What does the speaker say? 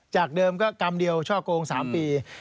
จากเดิมก็กรรมเดียวช่อโกง๓ปี